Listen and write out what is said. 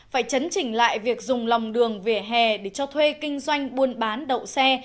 phải chấn chỉnh lại việc dùng lòng đường vỉa hè để cho thuê kinh doanh buôn bán đậu xe